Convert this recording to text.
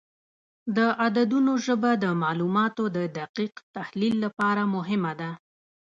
د عددونو ژبه د معلوماتو د دقیق تحلیل لپاره مهمه ده.